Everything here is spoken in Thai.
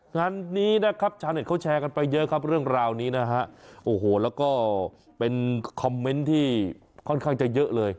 งานนี้นะครับชาวเน็ตเขาแชร์กันไปเยอะครับเรื่องราวนี้นะฮะโอ้โหแล้วก็เป็นคอมเมนต์ที่ค่อนข้างจะเยอะเลย